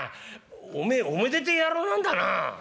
おめえおめでてえ野郎なんだな」。